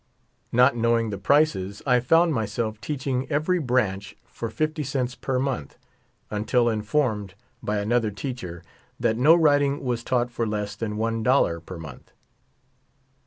Not knowing the prices, I found myself teaching every branch for 50 cents per month, until informed by another teacher that no writing was taught for less than $1 per month.